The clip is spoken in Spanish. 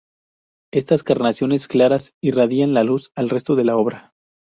Estas carnaciones claras irradian luz al resto de la obra.